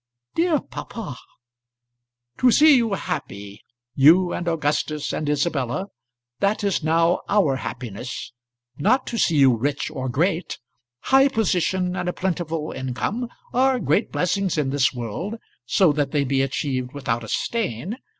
"Dear papa!" "To see you happy you and Augustus and Isabella that is now our happiness; not to see you rich or great. High position and a plentiful income are great blessings in this world, so that they be achieved without a stain.